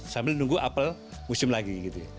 sambil nunggu apel musim lagi